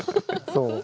そう。